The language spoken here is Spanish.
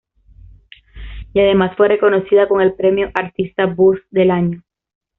Y además, fue reconocida con el premio "Artista buzz del año".